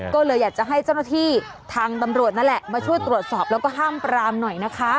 ก็เลยอยากจะให้เจ้าหน้าที่ทางตำรวจนั่นแหละมาช่วยตรวจสอบแล้วก็ห้ามปรามหน่อยนะคะ